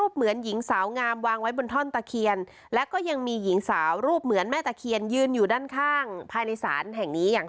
เป็นมันเงางามเลยนะ